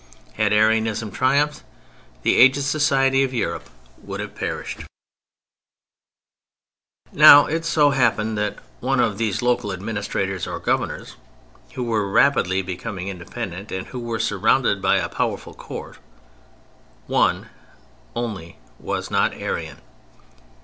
Had Arianism triumphed, the aged Society of Europe would have perished. Now it so happened that of these local administrators or governors who were rapidly becoming independent, and who were surrounded by a powerful court, one only was not Arian.